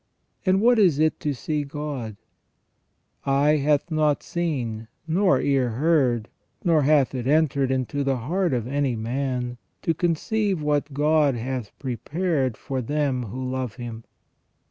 And what is it to see God ?" Eye hath not seen, nor ear heard, nor hath it entered into the heart of any man to conceive what God hath prepared for them who love Him."